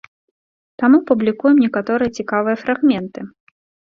Таму публікуем некаторыя цікавыя фрагменты.